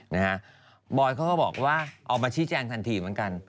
นะฮะบอยเขาก็บอกว่าออกมาชี้แจงทันทีเหมือนกัน